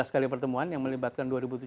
delapan belas kali pertemuan yang melibatkan